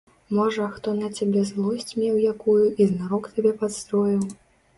Можа, хто на цябе злосць меў якую і знарок табе падстроіў?